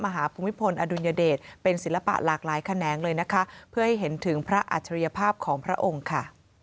ภูมิพลอดุลยเดชเป็นศิลปะหลากหลายแขนงเลยนะคะเพื่อให้เห็นถึงพระอัจฉริยภาพของพระองค์ค่ะ